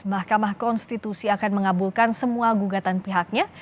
mahkamah konstitusi akan mengabulkan semua gugatan pihaknya